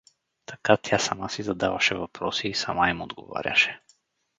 Така тя сама си задаваше въпроси и сама им отговаряше.